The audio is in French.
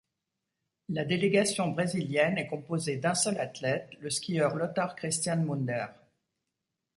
La délégation brésilienne est composée d'un seul athlète, le skieur Lothar Christian Munder.